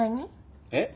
えっ？